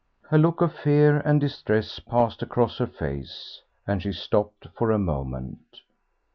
A look of fear and distress passed across her face, and she stopped for a moment....